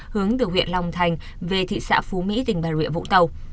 hướng từ huyện long thành về thị xã phú mỹ tỉnh bà rịa vũng tàu